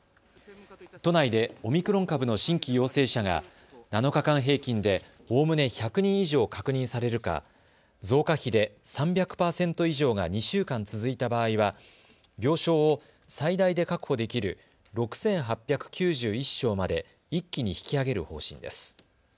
都内でオミクロン株の新規陽性者が７日間平均でおおむね１００人以上確認されるか、増加比で３００％以上が２週間続いた場合は病床を最大で確保できる６８９１床まで一気に引き上げる方針です。